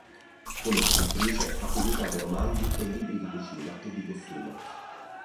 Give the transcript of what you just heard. Come scrittrice ha pubblicato romanzi e libri di cucina e di costume.